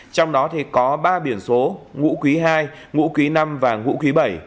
trong đó thì có ba biển số ngũ quý hai ngũ quý năm và ngũ quý bảy